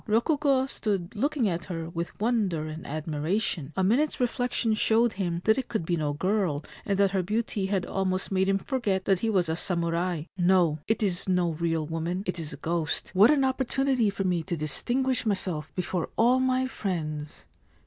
Rokugo stood looking at her with wonder and admiration. A minute's reflection 1 The head seeking fire. 3H The Snow Tomb showed him that it could be no girl, and that her beauty had almost made him forget that he was a samurai. ' No : it is no real woman : it is a ghost. What an opportunity for me to distinguish myself before all my friends